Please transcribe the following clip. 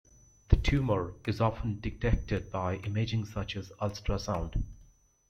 The tumor is often detected by imaging such as ultrasound.